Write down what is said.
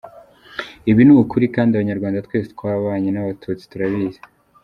Ibi ni ukuri, kandi abanyarwanda twese twabanye n’abatutsi turabizi.